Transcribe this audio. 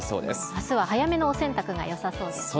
あすは早めのお洗濯がよさそうですね。